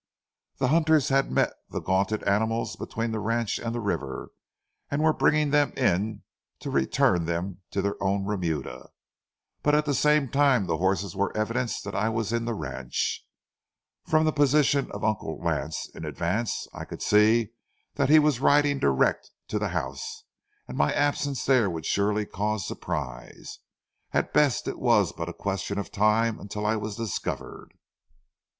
The hunters had met the gaunted animals between the ranch and the river, and were bringing them in to return them to their own remuda. But at the same time the horses were evidence that I was in the ranch. From the position of Uncle Lance, in advance, I could see that he was riding direct to the house, and my absence there would surely cause surprise. At best it was but a question of time until I was discovered.